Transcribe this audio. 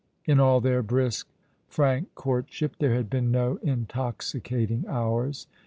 In all their brisk, frank courtship there had been no intoxicating hours.